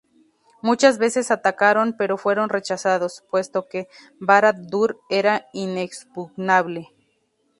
Muchas veces atacaron, pero fueron rechazados, puesto que Barad-dûr era inexpugnable.